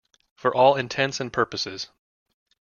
For all intents and purposes.